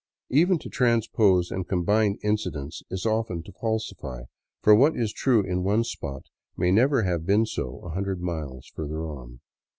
Even to transpose and combine incidents is often to falsify, for what is true in one spot may never have been so a hundred miles further on.